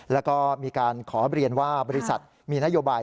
แล้วก็มีการขอเรียนว่าบริษัทมีนโยบาย